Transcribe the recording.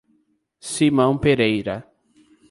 Simão Pereira